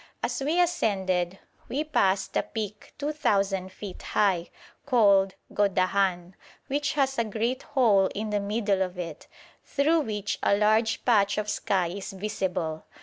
As we ascended we passed a peak 2,000 feet high, called Gòdahan, which has a great hole in the middle of it, through which a large patch of sky is visible.